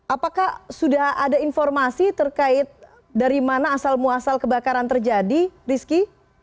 apakah sudah ada informasi terkait dari mana asal muasal kebakaran terjadi rizky